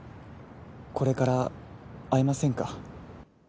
これから会えませんか？